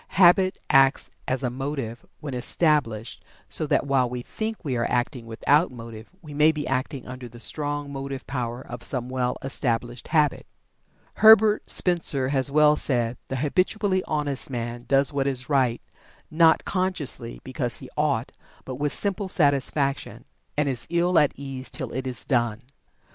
Habit acts as a motive when established, so that while we think we are acting without motive we may be acting under the strong motive power of some well established habit. Herbert Spencer has well said: "The habitually honest man does what is right, not consciously because he 'ought' but with simple satisfaction; and is ill at ease till it is done."